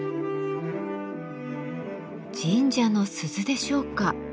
神社の鈴でしょうか。